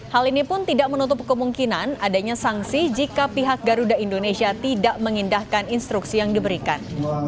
hal ini pun tidak menutup kemungkinan adanya sanksi jika pihak garuda indonesia tidak mengindahkan instruksi yang diberikan